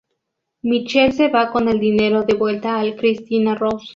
Michael se va con el dinero de vuelta al Christina Rose.